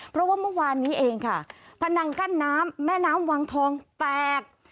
เพราะว่าเมื่อวานนี้เองค่ะพนังกั้นน้ำแม่น้ำวังทองแตก